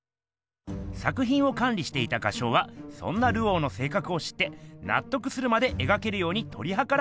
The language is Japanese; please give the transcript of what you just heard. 作品をかん理していた画商はそんなルオーのせいかくを知って納得するまでえがけるようにとり計らっていました。